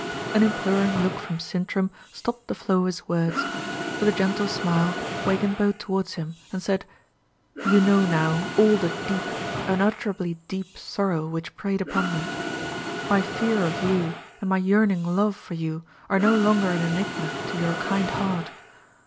An imploring look from Sintram stopped the flow of his words. With a gentle smile, Weigand bowed towards him, and said: "You know now all the deep, unutterably deep, sorrow which preyed upon me. My fear of you, and my yearning love for you, are no longer an enigma to your kind heart.